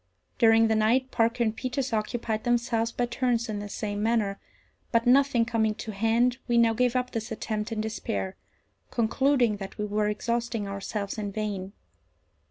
During the night Parker and Peters occupied themselves by turns in the same manner; but nothing coming to hand, we now gave up this attempt in despair, concluding that we were exhausting ourselves in vain.